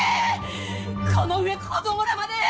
この上子供らまで！